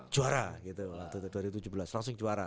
juara gitu waktu dua ribu tujuh belas langsung juara